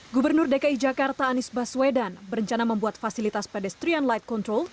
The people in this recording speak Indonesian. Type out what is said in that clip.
gubernur dki jakarta anies baswedan berencana membuat fasilitas pedestrian light control